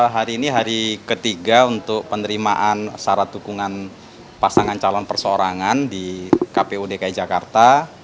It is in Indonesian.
hari ini hari ketiga untuk penerimaan syarat dukungan pasangan calon perseorangan di kpu dki jakarta